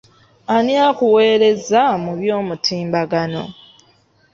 Ani akuweereza mu by'omutimbagano?